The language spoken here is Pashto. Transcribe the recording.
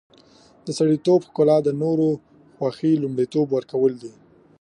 د سړیتوب ښکلا د نورو خوښي لومړیتوب ورکول دي.